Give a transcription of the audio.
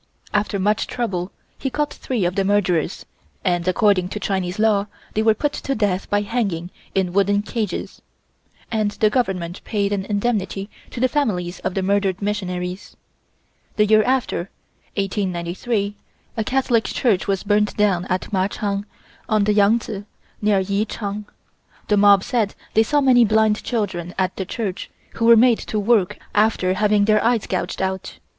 After much trouble he caught three of the murderers and, according to the Chinese law, they were put to death by hanging in wooden cages, and the Government paid an indemnity to the families of the murdered missionaries. The year after, 1893, a Catholic church was burnt down at Mar Cheng, on the Yangtse, near Ichang. The mob said they saw many blind children at the church, who were made to work after having their eyes gouged out.